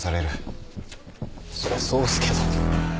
そりゃそうっすけど。